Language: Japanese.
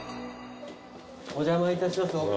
お邪魔いたします。